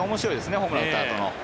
ホームランを打ったあとの。